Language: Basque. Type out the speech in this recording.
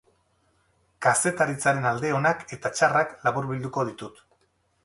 Kazetaritzaren alde onak eta txarrak laburbilduko ditut.